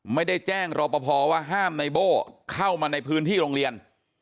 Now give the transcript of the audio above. ไม่ได้แจ้งรอปภว่าห้ามในโบ้เข้ามาในพื้นที่โรงเรียน